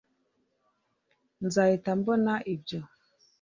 nzahita mbona ibyo